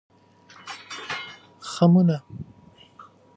خمونه